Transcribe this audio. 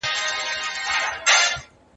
شفافیت په کارونو کي شتون درلود.